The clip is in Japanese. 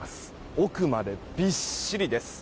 奥までびっしりです。